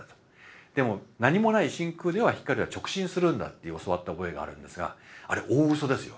でも何もない真空では光は直進するんだって教わった覚えがあるんですがあれ大うそですよ。